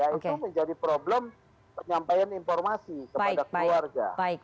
itu menjadi problem penyampaian informasi kepada keluarga